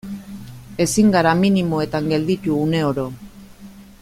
Ezin gara minimoetan gelditu une oro.